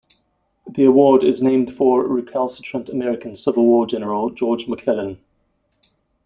The award is named for recalcitrant American Civil War general George McClellan.